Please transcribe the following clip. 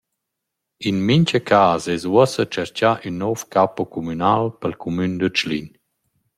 In mincha cas es uossa tscherchà ün nouv capo cumünal pel cumün da Tschlin.